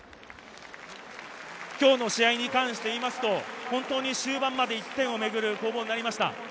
今日の試合に関していうと、終盤まで１点をめぐる攻防になりました。